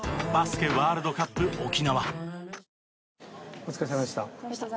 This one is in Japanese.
お疲れさまでした。